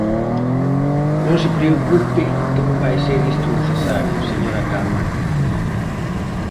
Non se preocupe que non vai ser isto necesario, señora Caamaño.